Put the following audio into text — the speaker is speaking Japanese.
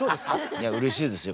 いやうれしいですよ